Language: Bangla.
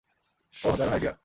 ওহ, দারুণ আইডিয়া।